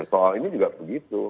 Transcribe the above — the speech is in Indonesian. soal ini juga begitu